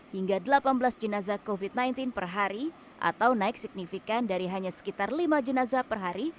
hingga delapan belas jenazah covid sembilan belas per hari atau naik signifikan dari hanya sekitar lima jenazah per hari